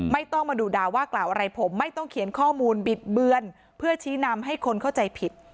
ไม่ต้องมาดูด่าว่ากล่าวอะไรผมไม่ต้องเขียนข้อมูลบิดเบือนเพื่อชี้นำให้คนเข้าใจผิด